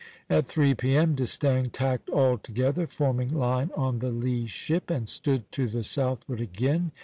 At three P.M. D'Estaing tacked all together, forming line on the lee ship, and stood to the southward again.